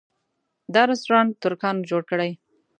دا رسټورانټ ترکانو جوړه کړې.